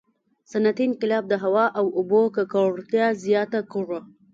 • صنعتي انقلاب د هوا او اوبو ککړتیا زیاته کړه.